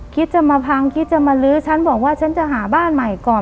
คิดจะมาพังคิดจะมาลื้อฉันบอกว่าฉันจะหาบ้านใหม่ก่อน